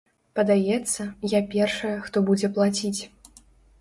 Падаецца, я першая, хто будзе плаціць.